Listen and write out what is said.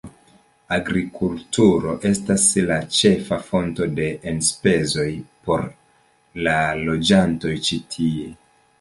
Agrikulturo estas la ĉefa fonto de enspezoj por la loĝantoj ĉi tie.